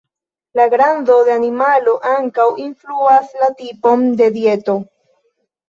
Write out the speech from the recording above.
La grando de animalo ankaŭ influas la tipon de dieto.